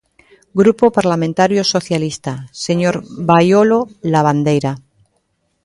Grupo Parlamentario Socialista, señor Baiolo Lavandeira.